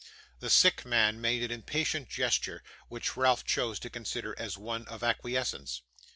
The sick man made an impatient gesture, which Ralph chose to consider as one of acquiescence.